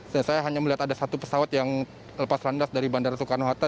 saya hanya melihat ada satu pesawat yang lepas landas dari bandara soekarno hatta